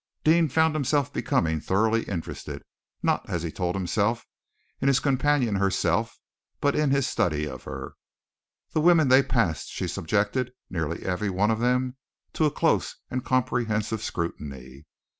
Deane found himself becoming thoroughly interested not, as he told himself, in his companion herself, but in his study of her. The women they passed she subjected, nearly every one of them, to a close and comprehensive scrutiny.